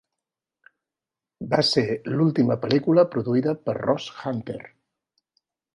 Va ser l'última pel·lícula produïda per Ross Hunter.